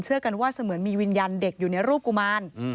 กันว่าเสมือนมีวิญญาณเด็กอยู่ในรูปกุมาร